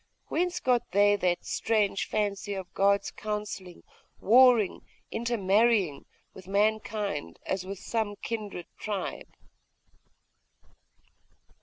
Whence got they that strange fancy of gods counselling, warring, intermarrying, with mankind, as with some kindred tribe?